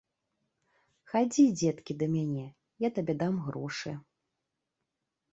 Хадзі, дзеткі, да мяне, я табе дам грошы.